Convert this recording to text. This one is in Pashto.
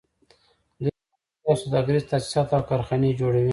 دوی صنعتي او سوداګریز تاسیسات او کارخانې جوړوي